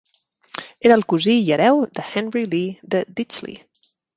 Era el cosí i hereu de Henry Lee de Ditchley.